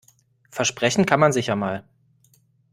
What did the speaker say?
Versprechen kann man sich ja mal.